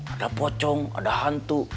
ada pocong ada hantu